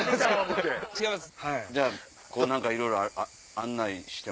じゃあいろいろ案内して。